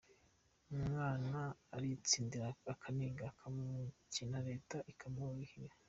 Umwana aritsindira akiga, n’uw’umukene leta ikamurihira.